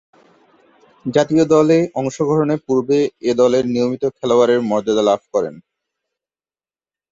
জাতীয় দলে অংশগ্রহণের পূর্বে এ-দলের নিয়মিত খেলোয়াড়ের মর্যাদা লাভ করেন।